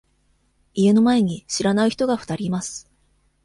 家の前に知らない人が二人います。